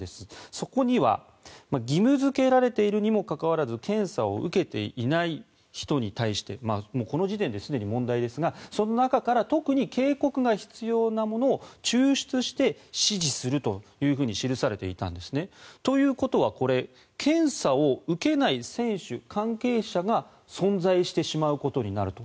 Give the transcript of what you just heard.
そこには義務付けられているにもかかわらず検査を受けていない人に対してこの時点ですでに問題ですがその中から特に警告が必要な者を抽出して指示するというふうに記されていたんですね。ということは検査を受けない選手、関係者が存在してしまうことになると。